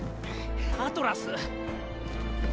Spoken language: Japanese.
アトラス！